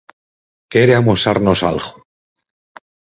Quere amosarnos algo.